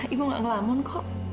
ibu gak ngelamun kok